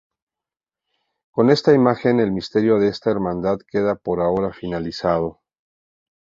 Con esta imagen el misterio de esta hermandad queda por ahora finalizado.